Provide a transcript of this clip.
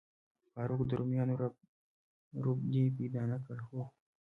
فاروق، د روميانو رب دې پیدا نه کړ؟ هو.